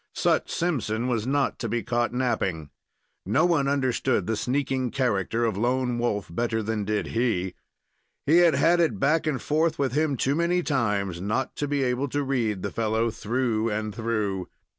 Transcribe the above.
Sut Simpson was not to be caught napping. No one understood the sneaking character of Lone Wolf better than did he. He had had it back and forth with him too many times not to be able to read the fellow through and through.